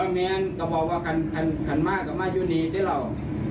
เออมีอันก็บอกว่าขันมากขันมาอยู่นี้ที่เรา